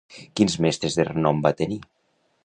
Quins mestres de renom hi va tenir?